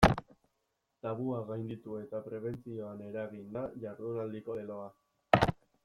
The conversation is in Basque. Tabua gainditu eta prebentzioan eragin da jardunaldiko leloa.